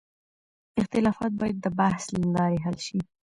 اختلافات باید د بحث له لارې حل شي.